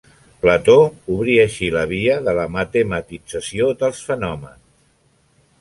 Plató obri així la via de la matematització dels fenòmens.